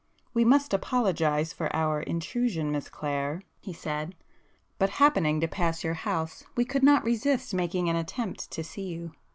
"We must apologise for our intrusion, Miss Clare,"—he said—"But happening to pass your house, we could not resist making an attempt to see you.